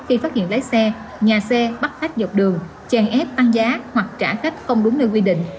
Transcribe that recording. khi phát hiện lái xe nhà xe bắt khách dọc đường chèn ép tăng giá hoặc trả khách không đúng nơi quy định